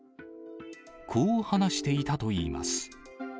こう話していたといいます。